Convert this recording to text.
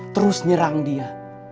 terus nyerang dia